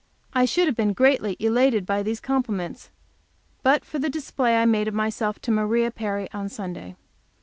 I should have been greatly elated by these compliments, but for the display I made of myself to Maria Perry on Sunday.